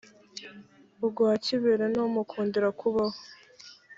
urwa kibere ntimukundira kubaho